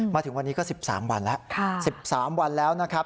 มาถึงวันนี้ก็๑๓วันแล้ว๑๓วันแล้วนะครับ